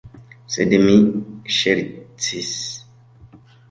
Sed mi ŝercis.